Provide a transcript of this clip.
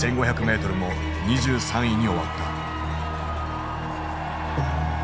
１，５００ｍも２３位に終わった。